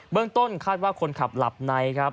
เมืองต้นคาดว่าคนขับหลับในครับ